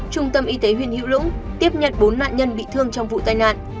trung tâm y tế huyện hữu lũng tiếp nhận bốn nạn nhân bị thương trong vụ tai nạn